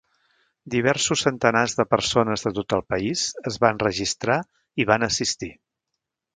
Diversos centenars de persones de tot el país es van registrar i van assistir.